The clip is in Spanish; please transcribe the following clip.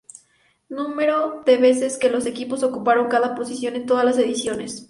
Número de veces que los equipos ocuparon cada posición en todas las ediciones.